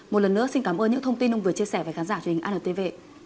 một lần nữa xin cảm ơn những thông tin ông vừa chia sẻ với khán giả truyền hình antv